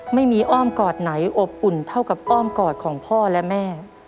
อ้อมกอดไหนอบอุ่นเท่ากับอ้อมกอดของพ่อและแม่